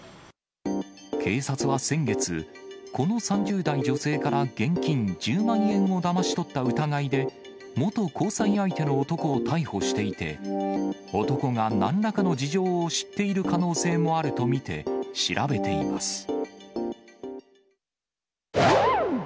警察は先月、この３０代女性から現金１０万円をだまし取った疑いで、元交際相手の男を逮捕していて、男がなんらかの事情を知っている可能性もあると見て、調べています。